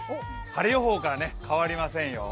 晴れ予報から、変わりませんよ。